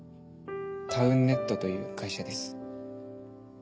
タウンネットという会社です。